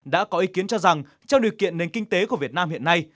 đã có ý kiến cho rằng trong điều kiện nền kinh tế của việt nam hiện nay